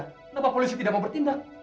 kenapa polisi tidak mau bertindak